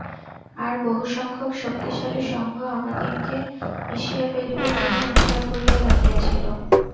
আর বহুসংখ্যক শক্তিশালী সঙ্ঘ আমাদিগকে পিষিয়া ফেলিবার জন্য উঠিয়া পড়িয়া লাগিয়াছিল।